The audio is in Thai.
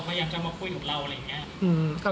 พยายามจะมาคุยกับเราอะไรอย่างนี้